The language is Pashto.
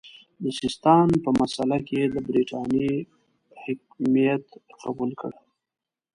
د سیستان په مسئله کې یې د برټانیې حکمیت قبول کړ.